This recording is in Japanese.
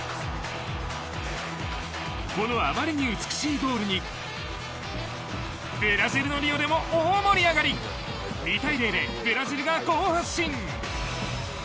そのあまりに美しいゴールにブラゼルのリオでも大盛り上がり２対０でブラジルが好発進。